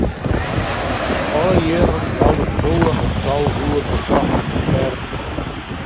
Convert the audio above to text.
Alle jierren jout it koar in tal goed besochte konserten.